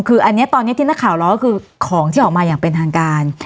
คืออันนี้ตอนนี้ที่นักข่าวร้องก็คือของที่ออกมาอย่างเป็นทางการ